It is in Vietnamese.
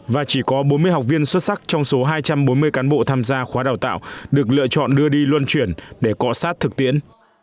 và chỉ có bốn mươi học viên xuất sắc trong số hai trăm bốn mươi cán bộ tham gia khóa đào tạo được lựa chọn đưa đi luân chuyển để cọ sát thực tiễn